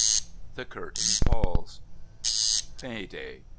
' THE CURTAIN FALLS May day.